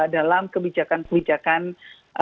dalam kebijakan kebijakan yang diusung oleh nadatul ulama